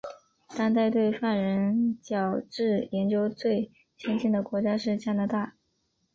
当代对犯人矫治研究最先进的国家是加拿大。